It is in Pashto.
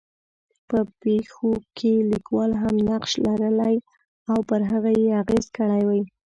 په پېښو کې لیکوال هم نقش لرلی او پر هغې یې اغېز کړی وي.